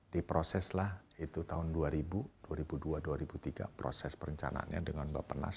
diproseslah itu tahun dua ribu dua dua ribu tiga proses perencanaannya dengan bapak nas